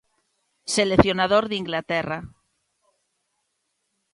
Seleccionador de Inglaterra.